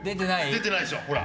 出てないでしょほら。